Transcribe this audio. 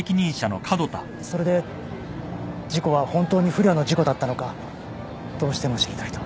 それで事故は本当に不慮の事故だったのかどうしても知りたいと。